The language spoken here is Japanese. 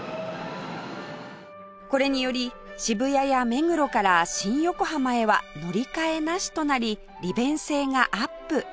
これにより渋谷や目黒から新横浜へは乗り換えなしとなり利便性がアップ